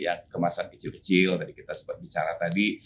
yang kemasan kecil kecil tadi kita sempat bicara tadi